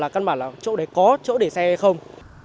có chỗ để xe hay không